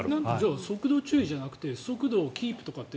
速度注意じゃなくて速度キープとかって